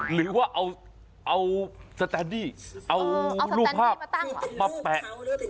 หรือว่าเอาสแตนดี้เอารูปภาพมาแปะ